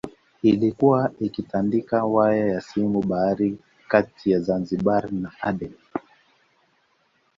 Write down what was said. Ilikuwa ikitandika waya za simu baharini kati ya Zanzibar na Aden